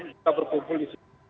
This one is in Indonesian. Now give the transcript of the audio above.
kita berkumpul di situ